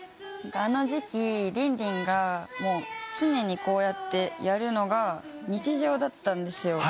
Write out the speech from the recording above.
あの時期リンリンが常にこうやってやるのが日常だったんですよ。